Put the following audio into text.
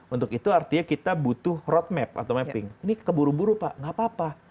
untuk itu artinya kita butuh roadmap atau mapping ini keburu buru pak gak apa apa